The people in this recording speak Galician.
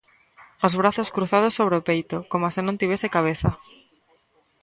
Os brazos cruzados sobre o peito, coma se non tivese cabeza.